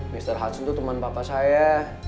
mr hudson tuh teman papa saya